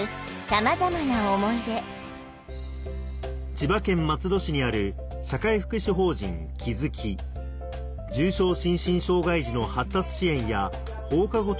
千葉県松戸市にある社会福祉法人「気づき」重症心身障がい児の発達支援や放課後等